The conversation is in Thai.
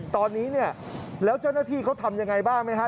ตอนนี้เนี่ยแล้วเจ้าหน้าที่เขาทำยังไงบ้างไหมฮะ